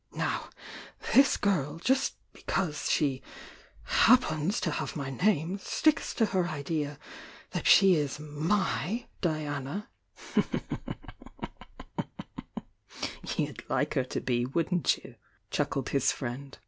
Now this girl, just because she happens to have my name, sticks to her idea, that she is my Diana "'^ "You'd like her to be, wouldn't you?" chuckled his friend.